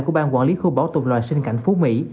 của bang quản lý khu bảo tồn loại sinh cảnh phú mỹ